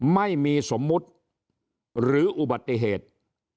ไม่มีสมมุติหรืออุบัติเหตุ